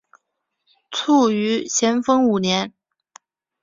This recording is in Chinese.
卒于咸丰五年。